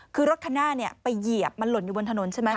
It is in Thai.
คือรถคันหน้าไปเหยียบมันหล่นอยู่บนถนนใช่ไหม